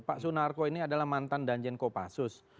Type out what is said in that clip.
pak sunarko ini adalah mantan danjen kopassus